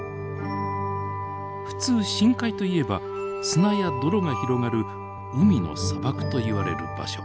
普通深海といえば砂や泥が広がる海の砂漠といわれる場所。